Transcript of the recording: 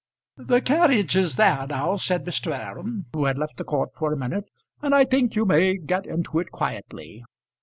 "The carriage is there now," said Mr. Aram, who had left the court for a minute; "and I think you may get into it quietly."